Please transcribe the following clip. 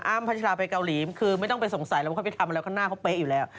อ้ำพัชลาไปเกาหลีคือไม่ต้องไปสงใสเราก็ไปทำอะไรแล้วข้างหน้าเขาเปะอยู่แล้ว